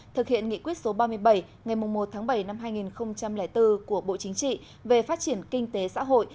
thực hiện nghị quyết số ba mươi bảy ngày một tháng bảy năm hai nghìn bốn của bộ chính trị về phát triển kinh tế xã hội